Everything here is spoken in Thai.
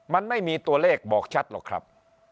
มันไม่มีตัวเลขบอกชัดหรอกครับ